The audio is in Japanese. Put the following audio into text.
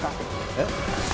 えっ？